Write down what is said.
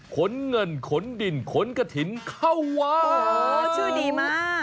ขนเงินขนดินขนกระถินเค้าวาง